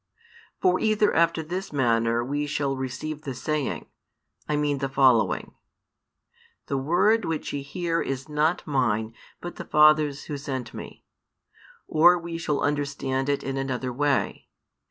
For either after this manner we shall receive the saying, I mean the following The word which ye hear is not Mine, but the Father s Who sent Me, or we shall understand it in another way.